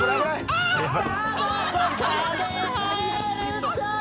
あっ。